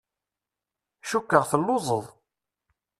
Cukkeɣ telluẓeḍ.